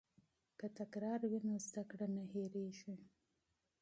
که تکرار وي نو زده کړه نه هېریږي.